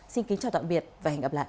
xin kính chào tạm biệt và hẹn gặp lại